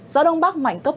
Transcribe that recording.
gió đông bắc mạnh cấp bốn